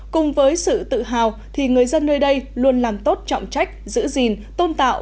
cùng với sự tự hào thì người dân nơi đây luôn làm tốt trọng trách giữ gìn tôn tạo